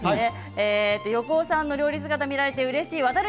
横尾さんの料理姿見られてうれしいです。